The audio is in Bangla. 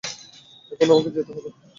এখন আমাকে যেতে হবে।